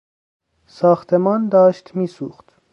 ساختمان داشت میسوخت.